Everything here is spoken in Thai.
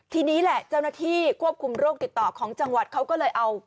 ทีนี้แหละเจ้าหน้าที่ควบคุมโรคติดต่อของจังหวัดเขาก็เลยเอา